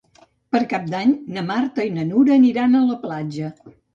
Per Cap d'Any na Marta i na Nura aniran a la platja.